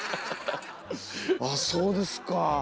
あそうですか。